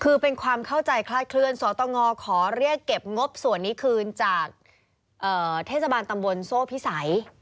คือเป็นความเข้าใจคลาดเคลื่อนสตงขอเรียกเก็บงบส่วนนี้คืนจากเทศบาลตำบลโซ่พิสัย